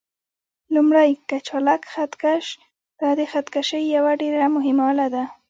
لومړی: کچالک خط کش: دا د خط کشۍ یوه ډېره مهمه آله ده.